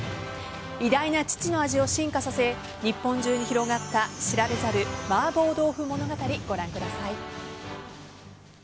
偉大な父の味を進化させ日本中に広がった知られざる麻婆豆腐物語、ご覧ください。